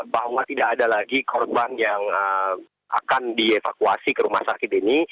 bahwa tidak ada lagi korban yang akan dievakuasi ke rumah sakit ini